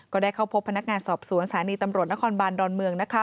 ก็ได้เข้าพบพนักงานสอบสวนสถานีตำรวจนครบานดอนเมือง